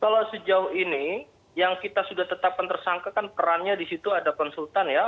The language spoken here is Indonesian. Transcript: kalau sejauh ini yang kita sudah tetapkan tersangka kan perannya di situ ada konsultan ya